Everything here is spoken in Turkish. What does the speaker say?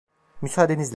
Müsaadenizle.